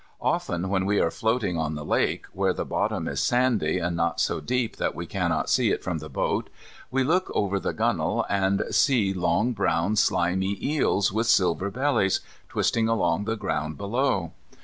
Often, when we are floating on the lake, where the bottom is sandy, and not so deep that we cannot see it from the boat, we look over the gunwale and see long brown slimy eels, with silver bellies, twisting along the ground below.